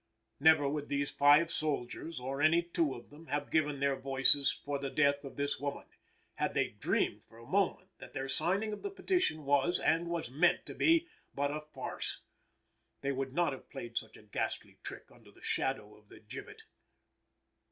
Never would these five soldiers, or any two of them, have given their voices for the death of this woman, had they dreamed for a moment that their signing of the petition was, and was meant to be, but a farce. They would not have played such a ghastly trick under the shadow of the gibbet.